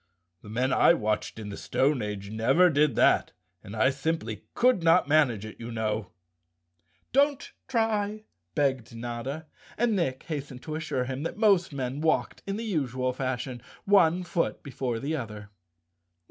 The men I watched in the stone age never did that and I simply could not manage it, you know." "Don't try," begged Notta, and Nick hastened to 228 _ Chapter Seventeen assure him that most men walked in the usual fashion —one foot before the other.